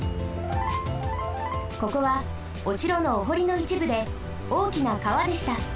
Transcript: ここはおしろのおほりのいちぶでおおきなかわでした。